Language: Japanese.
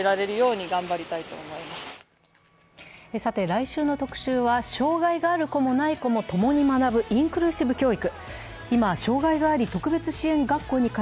来週の特集は、障害がある子もない子も共に学ぶインクルーシブ教育。